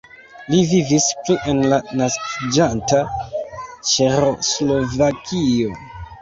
Li vivis plu en la naskiĝanta Ĉeĥoslovakio.